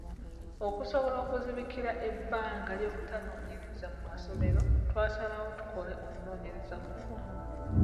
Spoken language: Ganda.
Okusobola okuzibikira ebbanga ly'obutanoonyereza mu masomero, twasalawo tukole okunoonyereza kuno.